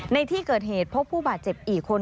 ในที่เกิดเหตุพบผู้บาดเจ็บอีกคน